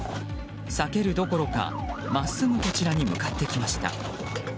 避けるどころか、真っすぐこちらに向かってきました。